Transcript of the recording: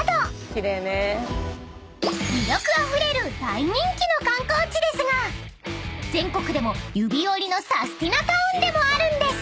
［魅力あふれる大人気の観光地ですが全国でも指折りのサスティなタウンでもあるんです］